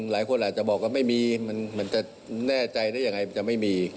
หลายคนอาจจะบอกว่าไม่มีมันจะแน่ใจได้ยังไงมันจะไม่มี